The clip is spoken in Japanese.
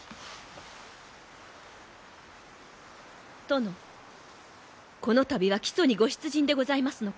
殿この度は木曽にご出陣でございますのか？